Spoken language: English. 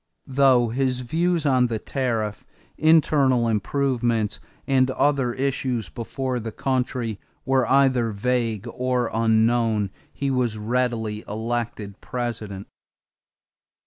Though his views on the tariff, internal improvements, and other issues before the country were either vague or unknown, he was readily elected President.